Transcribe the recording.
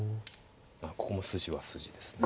ここも筋は筋ですね。